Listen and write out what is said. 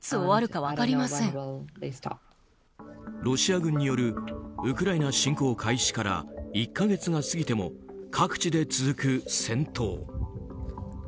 ロシア軍によるウクライナ侵攻開始から１か月が過ぎても各地で続く戦闘。